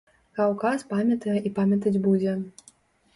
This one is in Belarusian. Каўказ памятае і памятаць будзе.